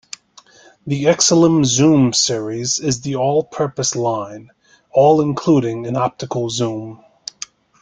The Exilim Zoom series is the all-purpose line, all including an optical zoom.